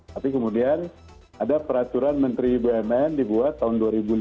tapi kemudian ada peraturan menteri bumn dibuat tahun dua ribu lima belas